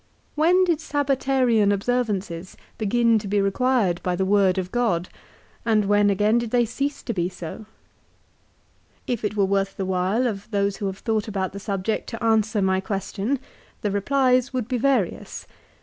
When did Sabbatarian observances begin to be required by the word of God, and when again did they cease to be so? If it were worth the while of those who have thought about the subject to answer my question, the replies would be various.